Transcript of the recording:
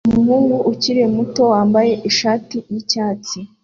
Umuhungu ukiri muto wambaye ishati yicyatsi